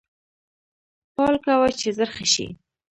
پال کوه چې زر ښه شې